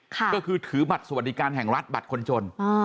ก็คือถือบัตรสวัสดิการแห่งรัฐบัตรคนจน